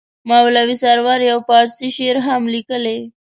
مولوي سرور یو فارسي شعر هم لیکلی.